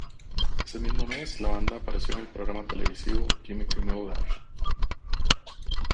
Ese mismo mes la banda apareció en el programa televisivo "Jimmy Kimmel Live!